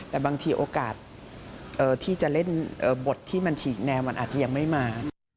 แต่บางทีโอกาสที่จะเล่นบทที่มันฉีกแนวมันอาจจะยังไม่มา